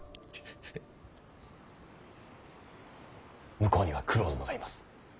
向こうには九郎殿がいます。